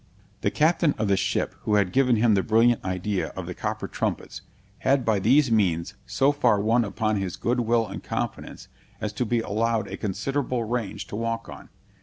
The captain of the ship, who had given him the brilliant idea of the copper trumpets, had by these means, so far won upon his good will and confidence, as to be allowed a considerable range to walk on.